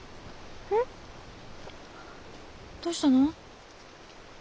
えどうしたの？